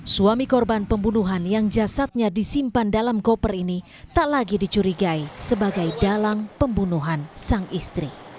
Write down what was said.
suami korban pembunuhan yang jasadnya disimpan dalam koper ini tak lagi dicurigai sebagai dalang pembunuhan sang istri